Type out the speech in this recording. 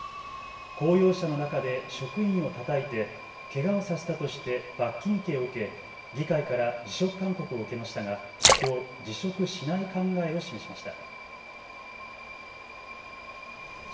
公用車の中で職員をたたいてけがをさせたとして罰金刑を受け議会から辞職勧告を受けましたがきょう辞職しない考えを示しました。